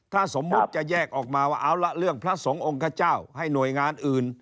ถ้าสมมุติจะแยกออกมาว่าเอาละเรื่องพระสงฆ์ขเจ้าให้หน่วยงานอื่น